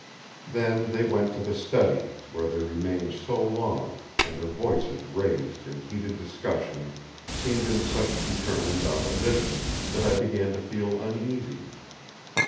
Then they went to the study, where they remained so long, and their voices raised in heated discussion seemed in such determined opposition, that I began to feel uneasy.